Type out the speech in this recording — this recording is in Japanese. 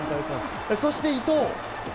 そして、伊東。